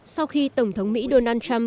sau khi tổng thống mỹ donald trump